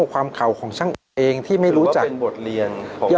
ความเข่าของช่างเองที่ไม่รู้จักหรือว่าเป็นบทเรียนของเรา